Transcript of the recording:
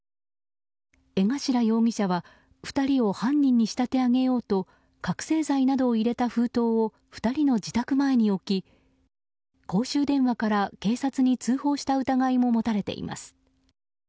江頭容疑者は２人を犯人に仕立て上げようと覚醒剤などを入れた封筒を２人の自宅前に置き公衆電話から警察に通報した疑いも持たれています。